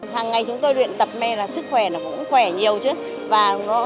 hàng ngày chúng tôi luyện tập mê là sức khỏe là cũng khỏe nhiều chứ